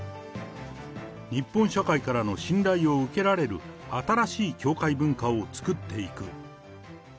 日本社会からの信頼を受けられる新しい教会文化を作っていく。